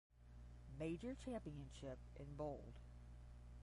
Major championship in bold.